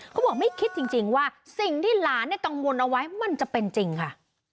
เขาบอกไม่คิดจริงว่าสิ่งที่หลานกังวลเอาไว้มันจะเป็นจริงค่ะ